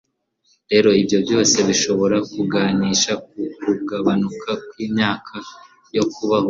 rero ibyo byose bishobora kuganisha ku kugabanuka kw'imyaka yo kubaho.”